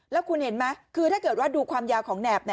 แล้วคุณเห็นไหมคือถ้าเกิดว่าดูความยาวของแหนบ